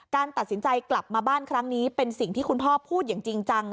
ตัดสินใจกลับมาบ้านครั้งนี้เป็นสิ่งที่คุณพ่อพูดอย่างจริงจัง